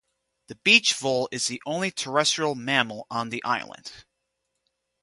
The beach vole is the only terrestrial mammal on the island.